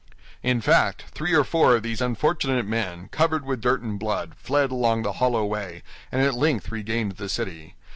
In fact, three or four of these unfortunate men, covered with dirt and blood, fled along the hollow way, and at length regained the city.